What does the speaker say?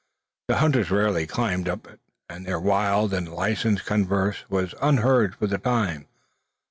The hunters rarely climbed up to it, and their wild and licenced converse was unheard for the time.